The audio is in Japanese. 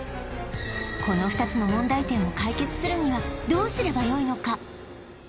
この２つの問題点を解決するにはどうすればよいのか？